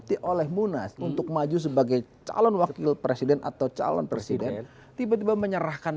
di oleh munas untuk maju sebagai calon wakil presiden atau calon presiden tiba tiba menyerahkan